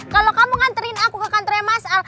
kalau kamu nganterin aku ke kantornya mas al